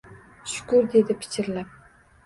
Shukr, dedi pichirlab